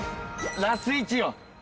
ラス１よ。